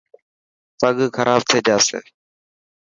پگ کراب ٿي جاسي.